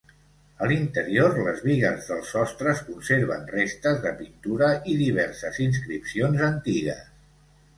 A l'interior, les bigues dels sostres conserven restes de pintura i diverses inscripcions antigues.